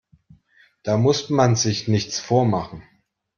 Da muss man sich nichts vormachen.